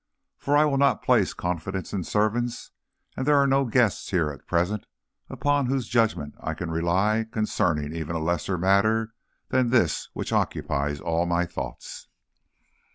For I will not place confidence in servants, and there are no guests here at present upon whose judgment I can rely concerning even a lesser matter than this which occupies all my thoughts.